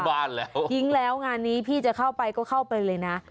บ้านแล้วทิ้งแล้วงานนี้พี่จะเข้าไปก็เข้าไปเลยนะ